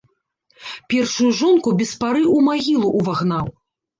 Першую жонку без пары ў магілу ўвагнаў.